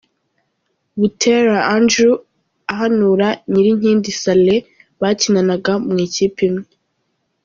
Buteera Andrew ahanura Nyirinkindi Saleh bakinanaga mu ikipe imwe.